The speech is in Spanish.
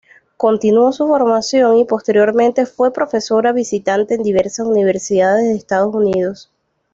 Continuó su formación y posteriormente fue profesora visitante en diversas universidades de Estados Unidos.